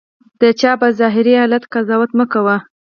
د چا په ظاهري حالت قضاوت مه کوه.